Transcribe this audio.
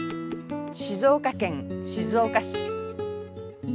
静岡県静岡市。